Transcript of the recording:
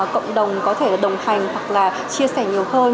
cộng đồng có thể đồng hành hoặc là chia sẻ nhiều hơn